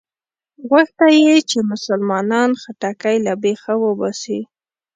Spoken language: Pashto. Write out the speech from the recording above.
غوښته یې چې مسلمانانو خټکی له بېخه وباسي.